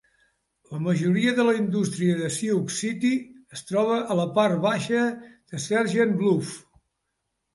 La majoria de la indústria de Sioux City es troba a la part baixa de Sergeant Bluff.